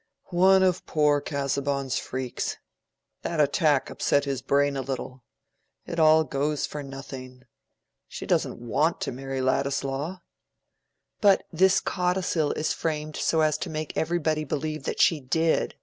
"One of poor Casaubon's freaks! That attack upset his brain a little. It all goes for nothing. She doesn't want to marry Ladislaw." "But this codicil is framed so as to make everybody believe that she did.